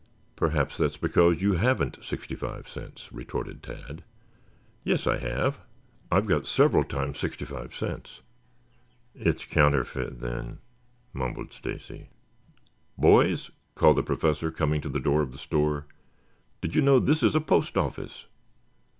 "Perhaps that is because you haven't sixty five cents," retorted Tad. "Yes, I have. I've got several times sixty five cents." "It's counterfeit, then," mumbled Stacy. "Boys," called the Professor coming to the door of the store, "did you know this is a post office?"